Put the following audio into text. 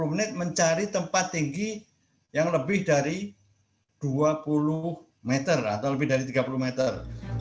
sepuluh menit mencari tempat tinggi yang lebih dari dua puluh meter atau lebih dari tiga puluh meter